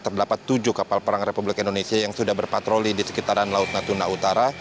terdapat tujuh kapal perang republik indonesia yang sudah berpatroli di sekitaran laut natuna utara